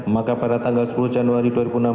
maka pada tanggal sepuluh januari dua ribu enam belas